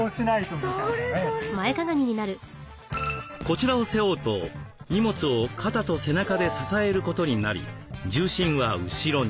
こちらを背負うと荷物を肩と背中で支えることになり重心は後ろに。